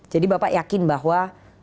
jadi bapak yakin bahwa